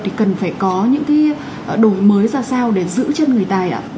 thì cần phải có những cái đổi mới ra sao để giữ chân người tài ạ